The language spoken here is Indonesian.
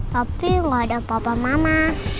tapi gak ada papa mama